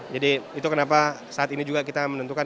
jadi itu kenapa saat ini juga kita menentukan